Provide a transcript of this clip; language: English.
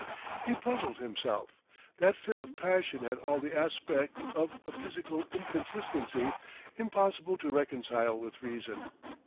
He puzzled himself. That fit of passion had all the aspect of a psychical inconsistency impossible to reconcile with reason.